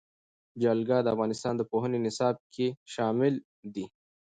جلګه د افغانستان د پوهنې نصاب کې شامل دي.